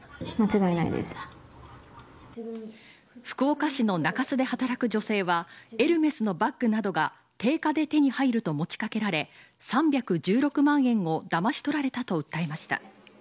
福岡市の中洲で働く女性はエルメスのバッガなどが定価で手に入ると持ちかけられ３１６万円をだまし取られたと訴えました。